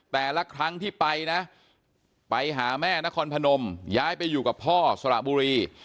แต่ละครั้งที่ไปนะไปหาแม่นครพนมย้ายไปอยู่กับพ่อสระบุรี